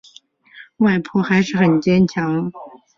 外婆还是很坚强